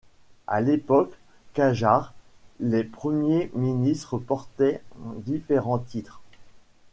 À l'époque Qajare, les premiers ministres portaient différents titres.